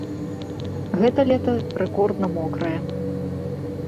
Гэтае лета рэкордна мокрае.